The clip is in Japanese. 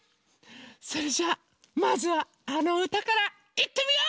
それじゃあまずはあのうたからいってみよう！